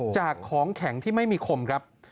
ของแข็งที่ไม่มีคมครับ